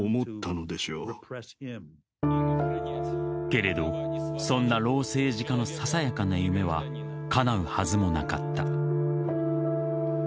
けれどそんな老政治家のささやかな夢はかなうはずもなかった。